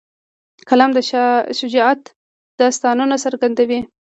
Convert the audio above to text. قلم د شجاعت داستانونه څرګندوي